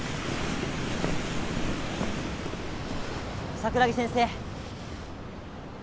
桜木先生